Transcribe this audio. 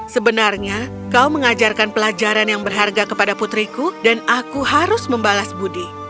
sebenarnya kau mengajarkan pelajaran yang berharga kepada putriku dan aku harus membalas budi